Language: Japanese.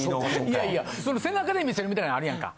いやいや背中で見せるみたいなんあるやんか。